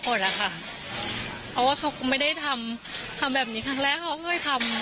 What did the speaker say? เพราะว่าเขาไม่ได้ทำแบบนี้ครั้งแรกเขาก็ไม่ได้ทำ